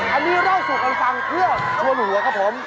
อันนี้เล่าสู่กันฟังเพื่อชวนหัวครับผม